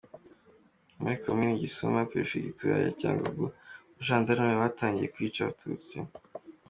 Muri Komini Gisuma, Perefegitura ya Cyangugu, abajandarume batangiye kwica Abatutsi.